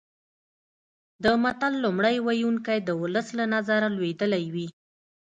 د متل لومړی ویونکی د ولس له نظره لویدلی وي